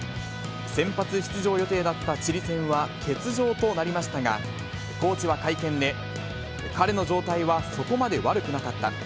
先発出場予定だったチリ戦は欠場となりましたが、コーチは会見で、彼の状態はそこまで悪くなかった。